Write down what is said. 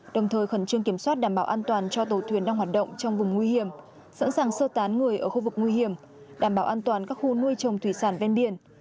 đồng thời khẩn trương kiểm soát đảm bảo an toàn cho tàu thuyền đang hoạt động trong vùng nguy hiểm sẵn sàng sơ tán người ở khu vực nguy hiểm đảm bảo an toàn các khu nuôi trồng thủy sản ven biển